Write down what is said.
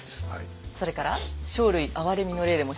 それから「生類憐れみの令」でも知られます